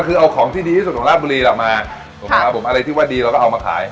ก็คือเอาของที่ดีที่สุดของราดบุรีเรามาค่ะผมอะไรที่ว่าดีเราก็เอามาขาย